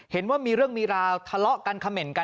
เห็นว่ามีเรื่องมีราวทะเลาะกันเขม่นกัน